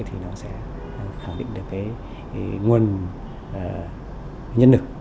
thì nó sẽ khẳng định được cái nguồn nhân lực